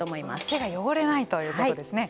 手が汚れないということですね。